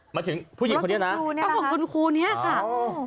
หมายถึงผู้หญิงคนนี้นะรถคุณครูเนี่ยนะครับอ๋อ